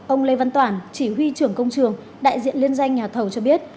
ông lê văn toản chỉ huy trưởng công trường đại diện liên doanh nhà thầu cho biết